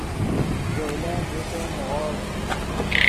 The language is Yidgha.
ژولن نیݰے نیغوڑ